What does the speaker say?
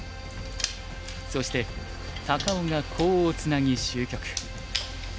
そして高尾がコウをツナぎ終局。